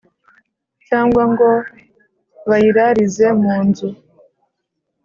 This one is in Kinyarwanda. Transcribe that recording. cyangwa ngo bayirarize munzu